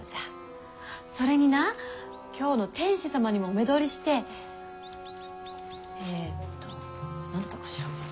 それにな京の天子様にもお目通りしてえっと何だったかしら。